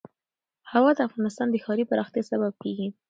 هوا د افغانستان د ښاري پراختیا سبب کېږي.